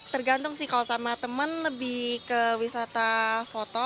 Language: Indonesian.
tergantung sih kalau sama temen lebih ke wisata foto